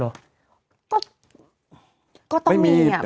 ไม่ต้องมี